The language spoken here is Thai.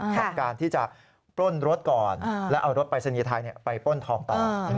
กับการที่จะปล้นรถก่อนและเอารถปรายศนีย์ไทยไปปล้นทองต่อ